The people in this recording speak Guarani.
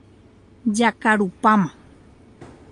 Jakarupáma.